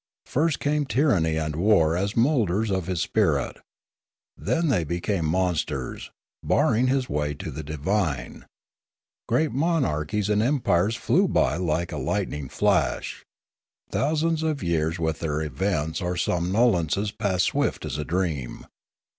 First came tyranny and war as moulders of his spirit; then they became monsters, barring his way to the divine. Great monarchies and empires flew by like a lightning flash; thousands of years with their events or somnolences passed swift as a dream.